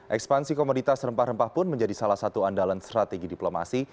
ekspansi komoditas rempah rempah pun menjadi salah satu andalan strategi diplomasi